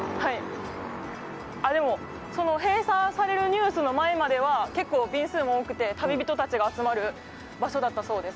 閉鎖されるニュースの前までは結構、便数も多くて旅人たちが集まる場所だったそうです。